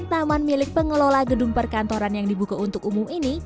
taman milik pengelola gedung perkantoran yang dibuka untuk umum ini